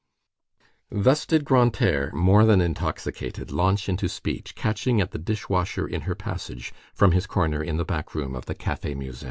Thus did Grantaire, more than intoxicated, launch into speech, catching at the dish washer in her passage, from his corner in the back room of the Café Musain.